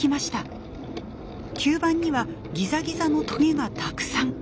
吸盤にはギザギザのトゲがたくさん。